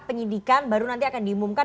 penyidikan baru nanti akan diumumkan